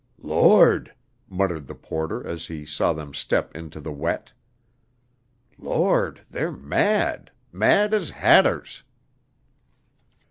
"Lord!" muttered the porter as he saw them step into the wet. "Lord! they're mad mad as hatters."